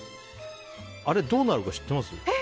あれ、どうなるか知ってます？